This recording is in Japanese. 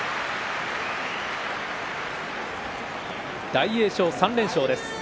大栄翔、３連勝です。